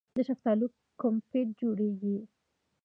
د شفتالو کمپوټ جوړیږي.